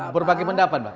berbagai pendapat mbak